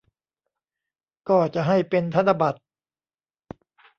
ก็จะให้เป็นธนบัตร